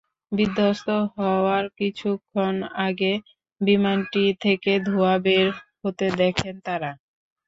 বিধ্বস্ত হওয়ার কিছুক্ষণ আগে বিমানটি থেকে ধোঁয়াও বের হতে দেখেন তাঁরা।